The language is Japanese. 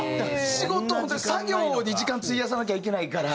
仕事作業に時間費やさなきゃいけないから。